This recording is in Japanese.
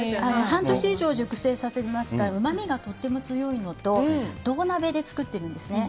半年以上熟成させてますからうまみがとっても強いのと銅鍋で作っているんですね。